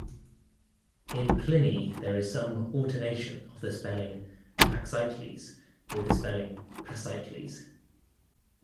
In Pliny there is some alternation of the spelling "Paxiteles" with the spelling "Pasiteles.